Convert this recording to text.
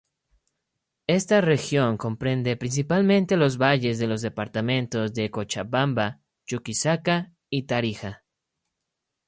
Esta región comprende principalmente los valles de los departamentos de Cochabamba, Chuquisaca y Tarija.